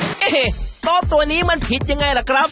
เอ๊ะเฮ่ยต้นตัวนี้มันผิดอย่างไรล่ะครับ